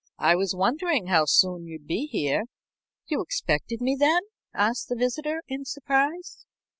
"I was wondering how soon you'd be here." "You expected me, then?" asked the visitor, in surprise.